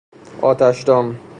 آتشدان